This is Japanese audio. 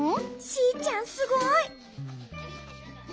シーちゃんすごい。